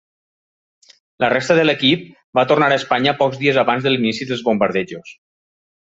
La resta de l'equip va tornar a Espanya pocs dies abans de l'inici dels bombardejos.